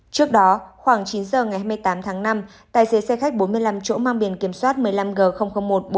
trước đó khoảng chín giờ ngày hai mươi tám tháng năm tài xế xe khách bốn mươi năm chỗ mang biển kiểm soát một mươi năm g một trăm bốn mươi bảy